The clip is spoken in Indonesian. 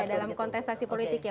dalam kontestasi politik ya